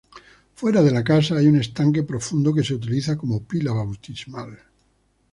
Fuera de la casa hay un estanque profundo que se utiliza como pila bautismal.